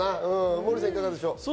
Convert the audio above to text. モーリーさん、どうでしょう。